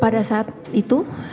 pada saat itu